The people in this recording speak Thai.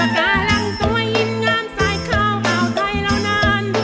สการังตัวยิ้นงามสายข้าวเบาไทยเหล่านาน